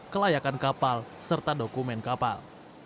kelayakan kapal serta dokumen kapal